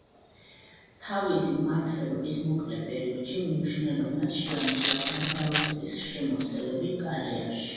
თავისი მმართველობის მოკლე პერიოდში მნიშვნელოვნად შეამცირა ბარბაროსების შემოსევები გალიაში.